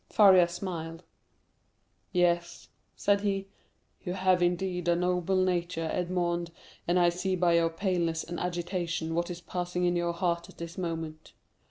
Faria smiled. "Yes," said he. "You have, indeed, a noble nature, Edmond, and I see by your paleness and agitation what is passing in your heart at this moment.